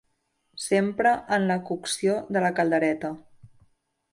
S'empra en la cocció de la caldereta.